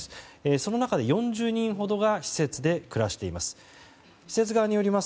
その中で４０人ほどが施設で暮らしています。